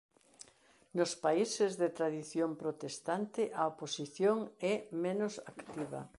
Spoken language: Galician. Nos países de tradición protestante a oposición é menos activa.